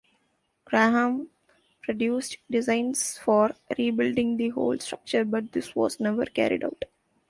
Graham produced designs for rebuilding the whole structure, but this was never carried out.